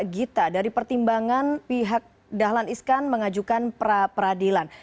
gita dari pertimbangan pihak dahlan iskan mengajukan pra peradilan